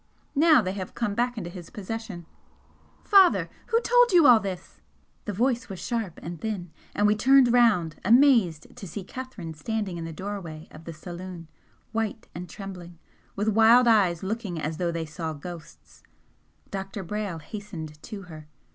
Now they have come back into his possession " "Father, who told you all this?" The voice was sharp and thin, and we turned round amazed to see Catherine standing in the doorway of the saloon, white and trembling, with wild eyes looking as though they saw ghosts. Dr. Brayle hastened to her.